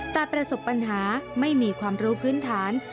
แต่ประสบปัญหาไม่มีความรู้พื้นฐาน